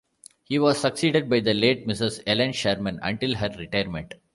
He was succeeded by the late Mrs. Ellen Sherman until her retirement.